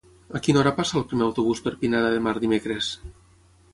A quina hora passa el primer autobús per Pineda de Mar dimecres?